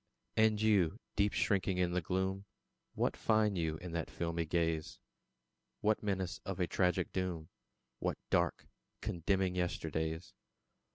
And You, deep shrinking in the gloom, What find you in that filmy gaze? What menace of a tragic doom? What dark, condemning yesterdays?